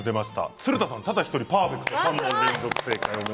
鶴田さんただ１人パーフェクト３問見事正解。